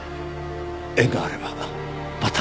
縁があればまた。